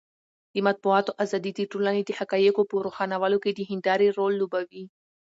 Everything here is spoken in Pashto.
د مطبوعاتو ازادي د ټولنې د حقایقو په روښانولو کې د هندارې رول لوبوي.